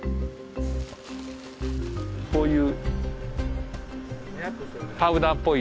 こういう。